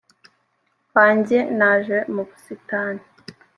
wanjye naje mu busitani